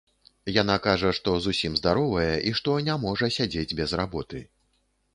Яна кажа, што зусім здаровая і што не можа сядзець без работы.